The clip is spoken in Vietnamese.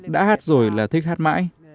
đã hát rồi là thích hát mãi